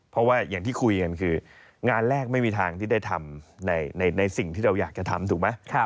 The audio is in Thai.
เพราะว่าอย่างที่คุยกันคืองานแรกไม่มีทางที่ได้ทำในสิ่งที่เราอยากจะทำถูกไหม